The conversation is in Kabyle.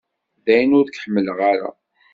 Dayen ur k-ḥemmleɣ ara.